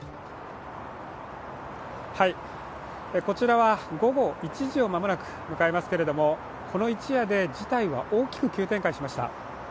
こちらは午後１時を間もなく迎えますけれどもこの一夜で事態は大きく急展開しました。